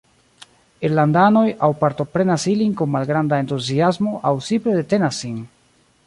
Irlandanoj aŭ partoprenas ilin kun malgranda entuziasmo aŭ simple detenas sin.